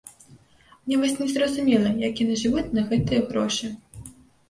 Мне вось незразумела, як яны жывуць на гэтыя грошы.